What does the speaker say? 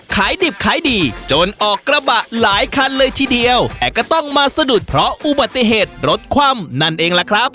ขายดิบขายดีจนออกกระบะหลายคันเลยทีเดียวแต่ก็ต้องมาสะดุดเพราะอุบัติเหตุรถคว่ำนั่นเองล่ะครับ